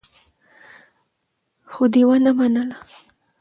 خو دې ونه منله.